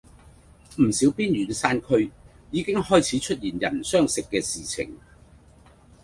唔少邊遠山區已經開始出現人相食嘅事情